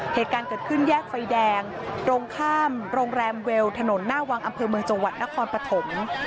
เหตุการณ์เกิดขึ้นแยกไฟแดงตรงข้ามโรงแรมเวลถนนหน้าวังอำเภอเมืองจังหวัดนครปฐม